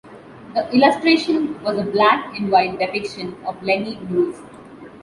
The illustration was a black and white depiction of Lenny Bruce.